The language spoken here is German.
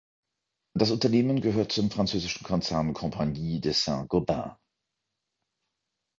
Das Unternehmen gehört zum französischen Konzern Compagnie de Saint-Gobain.